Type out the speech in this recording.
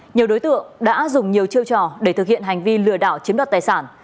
nhiều đối tượng đã dùng nhiều chiêu trò để thực hiện hành vi lừa đảo chiếm đoạt tài sản